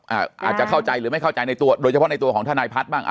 อาจจะเข้าใจหรือไม่เข้าใจในตัวโดยเฉพาะในตัวของทนายพัฒน์บ้าง